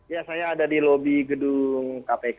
ya saya ada di lobi gedung kpk